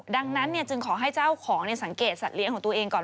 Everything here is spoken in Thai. ดังนั้นจึงขอให้เจ้าของสังเกตสัตว์เลี้ยงของตัวเองก่อน